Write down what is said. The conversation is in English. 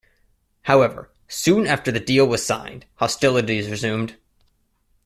However, soon after the deal was signed, hostilities resumed.